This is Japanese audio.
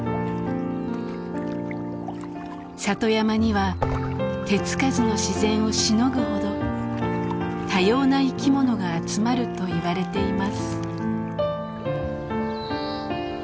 里山には手付かずの自然をしのぐほど多様な生き物が集まるといわれています。